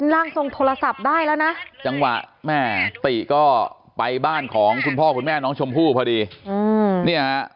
ร่างทรงโทรศัพท์ได้แล้วนะจังหวะแม่ติก็ไปบ้านของคุณพ่อคุณแม่น้องชมพู่พอดีอืมเนี่ยฮะ